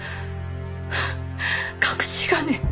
隠し金？